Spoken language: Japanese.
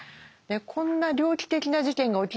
こんな猟奇的な事件が起きるなんて